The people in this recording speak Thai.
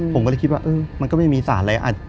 ผมก็เลยคิดว่ามันก็ไม่มีสารอะไร